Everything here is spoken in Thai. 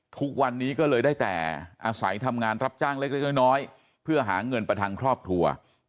ทุกวันนี้ก็เลยได้แต่อาศัยทำงานรับจ้างเล็กน้อยเพื่อหาเงินประทังครอบครัว